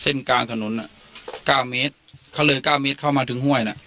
เส้นเก่างถนนอ่ะ๙เมตรเขาเลย๙เมตรเข้ามาถึงห้วยน่ะ